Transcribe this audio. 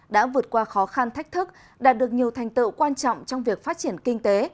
đã vượt qua khó khăn thách thức đạt được nhiều thành tựu quan trọng trong việc phát triển kinh tế